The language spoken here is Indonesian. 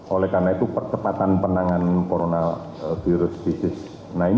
oleh karena itu percepatan penanganan coronavirus disease sembilan belas